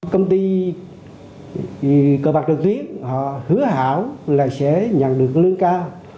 công ty cờ bạc trực tuyến họ hứa hẳn là sẽ nhận được lương cao